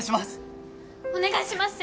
お願いします！